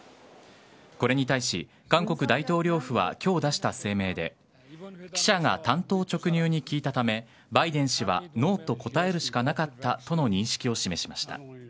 これに対し、韓国大統領府は今日出した声明で記者が単刀直入に聞いたためバイデン氏はノーと答えるしかなかったとの認識を示しました。